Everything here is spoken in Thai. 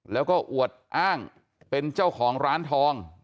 แล้วก็อวดอ้างเป็นเจ้าของร้านทอง